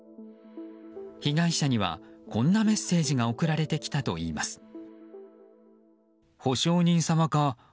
被害者にはこんなメッセージが送られてきたといいます。